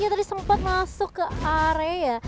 masih masuk ke area